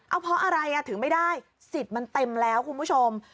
เอาเพราะอะไรถึงไม่ได้สิทธิ์มันเต็มแล้วคุณผู้ชม